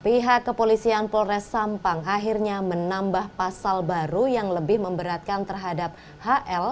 pihak kepolisian polres sampang akhirnya menambah pasal baru yang lebih memberatkan terhadap hl